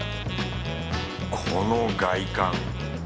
この外観。